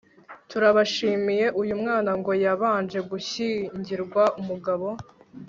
turabashimiye.uyu mwana ngo yabanje gushyingirwa umugabo